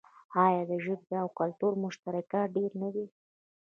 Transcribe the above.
آیا د ژبې او کلتور مشترکات ډیر نه دي؟